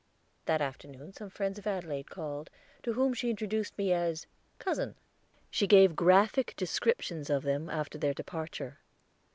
That afternoon some friends of Adelaide called, to whom she introduced me as "cousin." She gave graphic descriptions of them, after their departure.